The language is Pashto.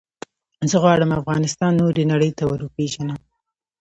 زه غواړم افغانستان نورې نړی ته وروپېژنم.